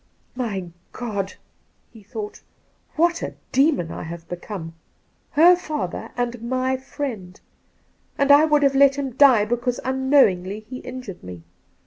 ' My God !' he thought, ' what a demon I have become ! Her father and my friend, and I would have let him die because unknowingly he injured me.